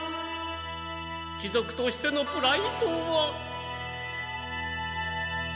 貴族としてのプライドは。